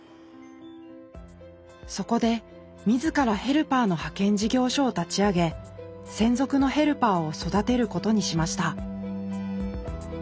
そこで自らヘルパーの派遣事業所を立ち上げ専属のヘルパーを育てることにしました。